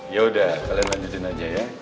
yaudah kalian lanjutin aja ya